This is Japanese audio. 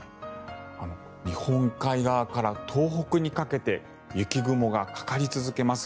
日本海側から東北にかけて雪雲がかかり続けます。